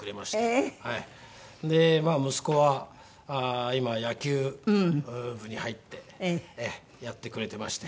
ええ！で息子は今野球部に入ってやってくれてまして。